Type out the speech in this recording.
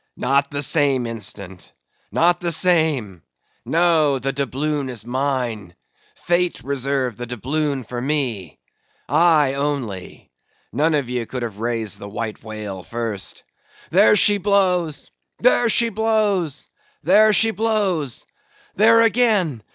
"Not the same instant; not the same—no, the doubloon is mine, Fate reserved the doubloon for me. I only; none of ye could have raised the White Whale first. There she blows!—there she blows!—there she blows! There again!